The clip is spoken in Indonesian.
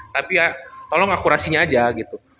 tapi ya tolong akurasinya aja gitu